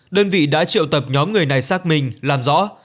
đơn vị đã triệu tập nhóm người này xác minh làm rõ